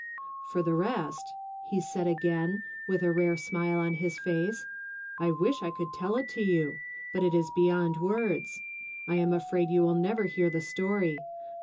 lii " TTOR the rest," he said again, with a rare smile i on his face, " I wish I could tell it to you ! but it is beyond words. I am afraid you will never hear the story.